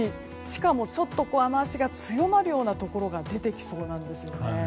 しかも雨脚が強まるところが出てきそうなんですね。